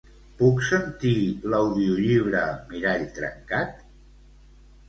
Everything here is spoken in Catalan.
Puc sentir l'audiollibre "Mirall trencat"?